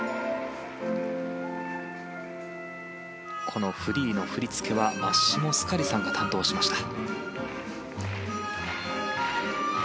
このフリーの振り付けはマッシモ・スカリさんが担当しました。